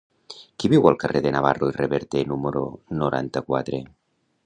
Qui viu al carrer de Navarro i Reverter número noranta-quatre?